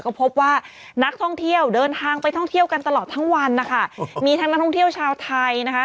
ก็พบว่านักท่องเที่ยวเดินทางไปท่องเที่ยวกันตลอดทั้งวันนะคะมีทั้งนักท่องเที่ยวชาวไทยนะคะ